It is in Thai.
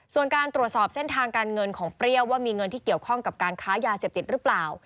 ส่วนการตรวจสอบเส้นทางการเงินของเปรี้ยวว่ามีเงินที่เกี่ยวข้องกับการค้ายาเสพติดหรือเปล่า